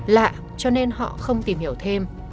lạ cho nên họ không tìm hiểu thêm